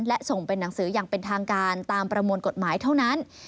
และส่งเป็นหนังสืออย่างเป็นทางการตามประมวลกฎหมายเท่านั้น